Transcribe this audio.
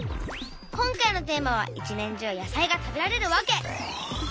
今回のテーマは「一年中野菜が食べられるわけ」。